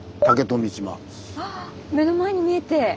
あ目の前に見えて。